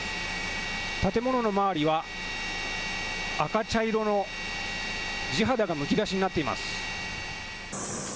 建物の周りは、赤茶色の地肌がむき出しになっています。